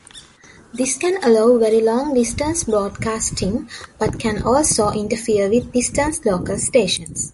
This can allow very long-distance broadcasting, but can also interfere with distant local stations.